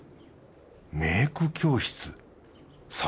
メーク教室先